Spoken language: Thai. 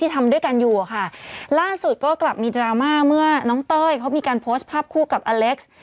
ทำด้วยกันอยู่อะค่ะล่าสุดก็กลับมีดราม่าเมื่อน้องเต้ยเขามีการโพสต์ภาพคู่กับอเล็กซ์